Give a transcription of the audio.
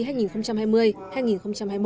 nhiệm kỳ hai nghìn hai mươi hai nghìn hai mươi một